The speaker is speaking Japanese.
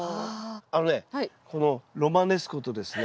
あのねこのロマネスコとですね